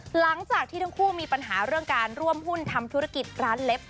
หลังจากที่ทั้งคู่มีปัญหาเรื่องการร่วมหุ้นทำธุรกิจร้านเล็บ